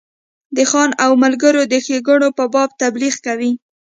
د ځان او ملګرو د ښیګڼو په باب تبلیغ کوي.